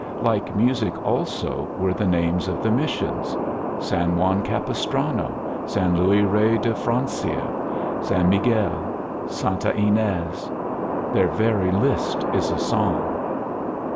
Like music also were the names of the missions San Juan Capistrano, San Luis Rey de Francia, San Miguel, Santa Ynes their very list is a song.